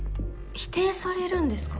否定されるんですか？